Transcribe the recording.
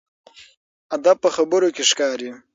ادب په خبرو کې ښکاري.